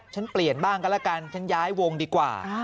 ฉันเปลี่ยนบ้างกันแล้วกันฉันย้ายวงดีกว่า